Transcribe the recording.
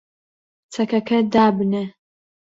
چەکەکە دابنێ!